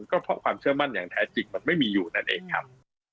ก็เพราะความเชื่อมั่นอย่างแท้จริงมันไม่มีอยู่นั่นเองครับ